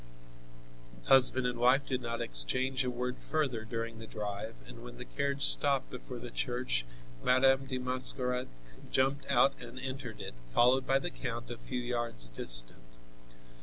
Husband and wife did not exchange a word further during the drive, and when the carriage stopped before the church Madame de Mascaret jumped out and entered it, followed by the count, a few yards distant.